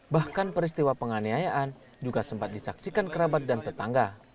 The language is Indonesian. bahkan peristiwa penganiayaan juga sempat disaksikan kerabat dan tetangga